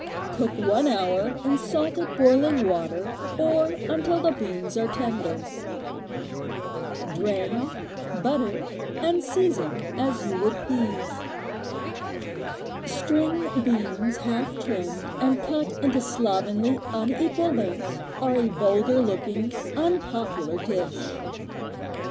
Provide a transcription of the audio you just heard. Cook one hour in salted boiling water, or until the beans are tender. Drain, butter and season as you would peas. String beans half trimmed and cut into slovenly, unequal lengths are a vulgar looking, unpopular dish.